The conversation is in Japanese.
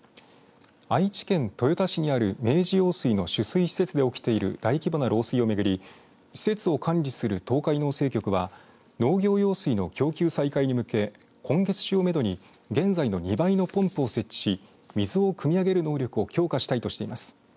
愛知県豊田市にある明治用水の取水施設で起きている大規模な漏水をめぐり施設を管理する東海農政局は農業用水の供給再開に向け今月中をめどに現在の２倍のポンプを設置し水をくみ上げる能力を強化したいとしています。